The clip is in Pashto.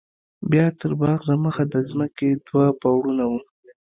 بيا تر باغ د مخه د ځمکې دوه پوړونه وو.